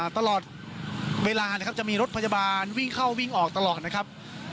ตลอดเวลานะครับจะมีรถพยาบาลวิ่งเข้าวิ่งออกตลอดนะครับ